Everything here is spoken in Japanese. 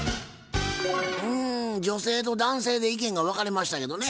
うん女性と男性で意見が分かれましたけどね。